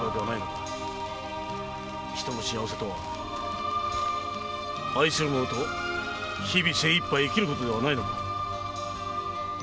人の幸せとは愛する者と日々精一杯生きることではないのか？